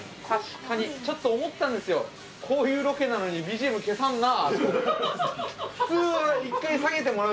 確かにちょっと思ったんですよこういうロケなのにＢＧＭ消さんなあって。